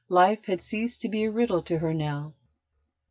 Life had ceased to be a riddle to her now.